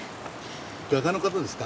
画家の方ですか？